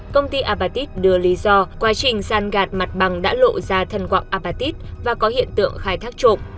công ty apatit đưa lý do quá trình sàn gạt mặt bằng đã lộ ra thân quặng apatit và có hiện tượng khai thác trộm